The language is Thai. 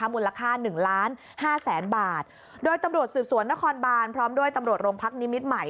มูลค่าหนึ่งล้านห้าแสนบาทโดยตำรวจสืบสวนนครบานพร้อมด้วยตำรวจโรงพักนิมิตรใหม่